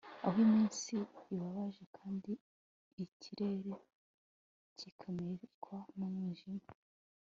aho iminsi ibabaje kandi ikirere kimanikwa n'umwijima